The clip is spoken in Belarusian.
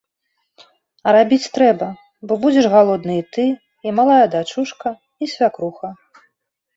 А рабіць трэба, бо будзеш галодны і ты, і малая дачушка, і свякруха.